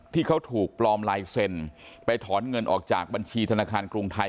ที่เขาถูกปลอมลายเซ็นไปถอนเงินออกจากบัญชีธนาคารกรุงไทย